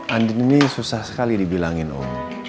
andin ini susah sekali dibilangin om